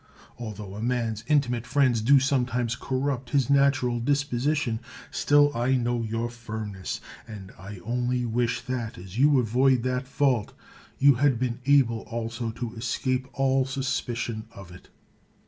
Altho a man's intimate friends do sometimes corrupt his natural dispo sition, still I know your firmness; and I only wish that, as you avoid that fault, you had been able also to escape all suspicion of it.